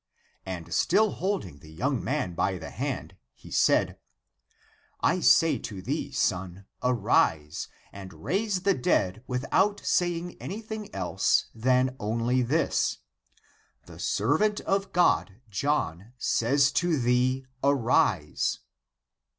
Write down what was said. " And still holding the young man by the hand, he said, " I say to thee, son, arise, and raise the dead without saying any thing (else) than only this: The servant of God, John, says to thee. Arise